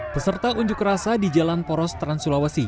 peserta unjuk rasa di jalan poros trans sulawesi